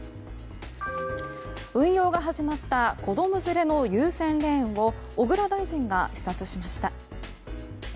運用が始まった子供連れの優先レーンを小倉大臣が視察しました。